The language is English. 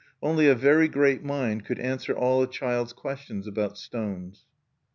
Only a very great mind could answer all a child's questions about stones.